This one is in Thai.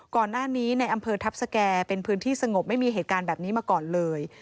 ก่อนหน้านี้ในอำเภอทัพสแก่เป็นพื้นที่สงบไม่มีเหตุการณ์แบบนี้มาก่อนเลย